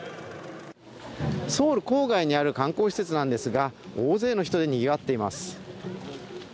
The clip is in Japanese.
ソウル郊外にある観光施設なんですが、大勢の人でにぎわっています。